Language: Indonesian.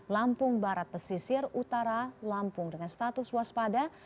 lampung barat pesisir utara lampung dengan status waspada